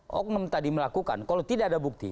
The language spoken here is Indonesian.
hukum tadi melakukan kalau tidak ada bukti